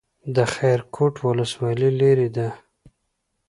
د خیرکوټ ولسوالۍ لیرې ده